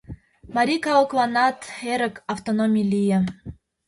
Марий калыкланат эрык — автономий — лие.